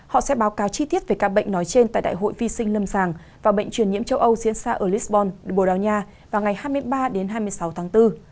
họ sẽ báo cáo chi tiết về ca bệnh nói trên tại đại hội vi sinh lâm sàng và bệnh truyền nhiễm châu âu diễn ra ở lisbon bồ đào nha vào ngày hai mươi ba đến hai mươi sáu tháng bốn